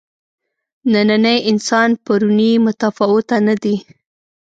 نننی انسان پروني متفاوته نه دي.